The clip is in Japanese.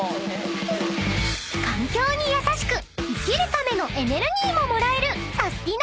［環境に優しく生きるためのエネルギーももらえるサスティな！